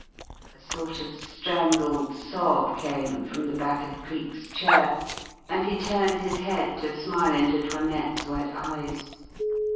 A sort of strangled sob came from the back of Cleek's chair, and he turned his head to smile into 'Toinette's wet eyes.